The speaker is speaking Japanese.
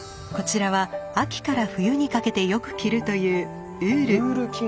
こちらは秋から冬にかけてよく着るというウール。